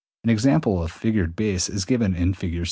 An example of a figured bass is given in Fig.